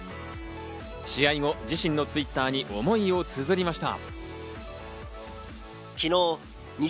試合後、自身のＴｗｉｔｔｅｒに思いをつづりました。